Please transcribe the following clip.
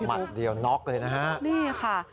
อัศวิทยาศาสตร์นี่ค่ะ